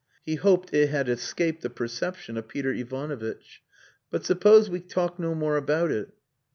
He hoped it had escaped the perception of Peter Ivanovitch. "But suppose we talk no more about it?"